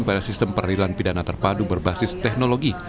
pada sistem peradilan pidana terpadu berbasis teknologi